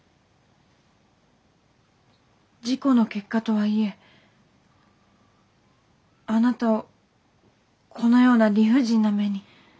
事故の結果とはいえあなたをこのような理不尽な目に。